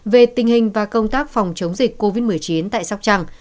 về tình hình và công tác phòng chống dịch covid một mươi chín tại sóc trăng